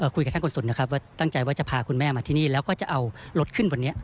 คุยกับท่านกฎนะครับว่าตั้งใจว่าจะพาคุณแม่มาที่นี่แล้วก็จะเอารถขึ้นบนนี้